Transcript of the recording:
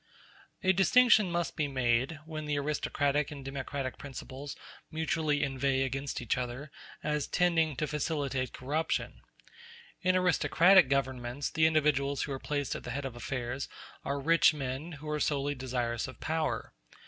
A distinction must be made, when the aristocratic and the democratic principles mutually inveigh against each other, as tending to facilitate corruption. In aristocratic governments the individuals who are placed at the head of affairs are rich men, who are solely desirous of power.